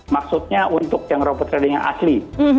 maksudnya untuk yang robot trading yang asli